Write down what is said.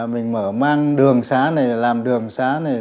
mình mở mang đường xá này làm đường xá này